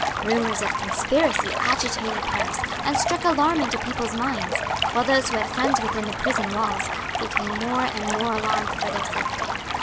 Rumours of conspiracy agitated Paris and struck alarm into people's minds, while those who had friends within the prison walls became more and more alarmed for their safety.